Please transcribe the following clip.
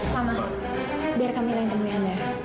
mama biar camilla yang temui andara